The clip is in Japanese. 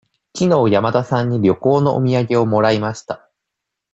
きのう山田さんに旅行のお土産をもらいました。